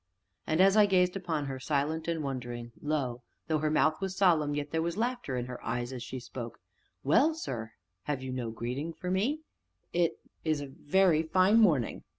And, as I gazed upon her, silent and wondering, lo! though her mouth was solemn yet there was laughter in her eyes as she spoke. "Well, sir have you no greeting for me?" "It is a very fine morning!"